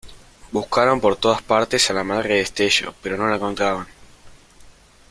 Buscaron por todas partes a la madre de Destello, pero no la encontraban.